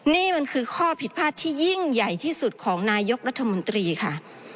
นี่มันคือข้อผิดพลาดที่ยิ่งใหญ่ที่สุดของนายกรัฐมนตรีค่ะ